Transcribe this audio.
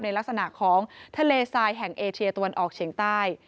ในลักษณะของทะเลทรายแห่งเอเชียตะวันออกเฉียงใต้